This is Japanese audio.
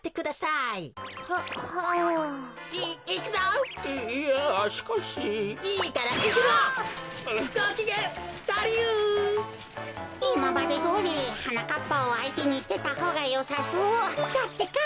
いままでどおりはなかっぱをあいてにしてたほうがよさそうだってか。